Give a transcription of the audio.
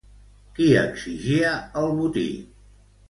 Qui exigia el botí?